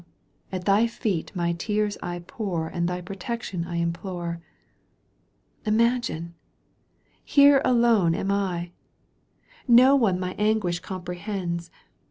at thy feet my tears I pour And thy protection I implore. Imagine ! Here alone am I ! Ко one my anguish comprehends.